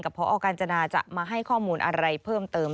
พอกาญจนาจะมาให้ข้อมูลอะไรเพิ่มเติม